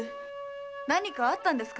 〔何かあったんですか？